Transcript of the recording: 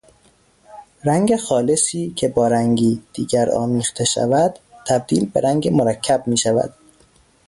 رنگ خالصی که بارنگی دیگر آمیخته شود تبدیل به رنگ مرکب میشود.